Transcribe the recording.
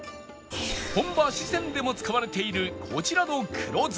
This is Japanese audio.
本場四川でも使われているこちらの黒酢